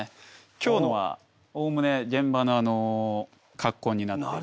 今日のはおおむね現場の格好になっていて。